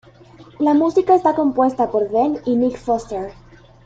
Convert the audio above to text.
La música está compuesta por Ben y Nick Foster.